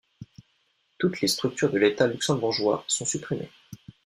Toutes les structures de l’État luxembourgeois sont supprimées.